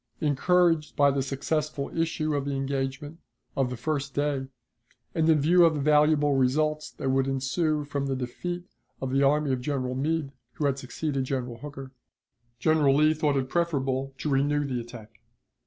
Encouraged by the successful issue of the engagement of the first day, and in view of the valuable results that would ensue from the defeat of the army of General Meade (who had succeeded General Hooker), General Lee thought it preferable to renew the attack.